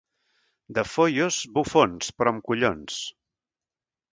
De Foios, bufons, però amb collons.